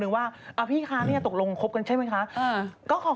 เค้าจะพาไปอ้อมนุนพระรามสีรามพอร้าล๑๙